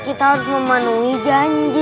kita harus memenuhi janji